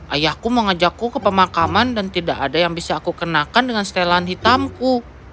ayahku mau ngajakku ke pemakaman dan tidak ada yang bisa aku kenakan dengan setelan hitamku